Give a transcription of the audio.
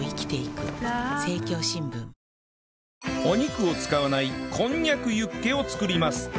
お肉を使わないこんにゃくユッケを作ります